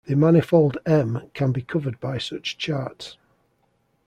The manifold "M" can be covered by such charts.